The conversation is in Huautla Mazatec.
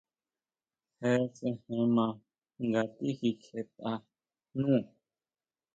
Je tséjen maa nga tijikjietʼa nú.